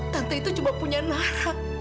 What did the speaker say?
tante itu cuma punya narak